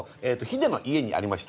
ヒデの家にありました。